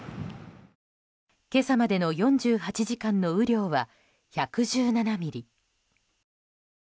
今朝までの４８時間の雨量は１１７ミリ。